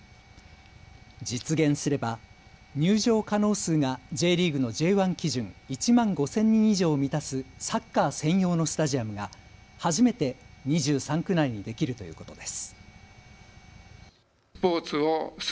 実現すれば入場可能数がＪリーグのＪ１基準、１万５０００人以上を満たすサッカー専用のスタジアムが初めて２３区内にできるということです。